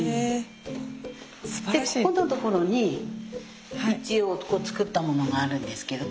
でここのところに一応作ったものがあるんですけど。